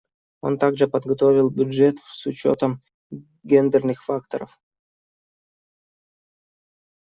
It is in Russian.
Он также подготовил бюджет с учетом гендерных факторов.